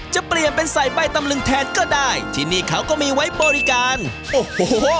จะเปลี่ยนเป็นใส่ใบตำลึงแทนก็ได้ที่นี่เขาก็มีไว้บริการโอ้โห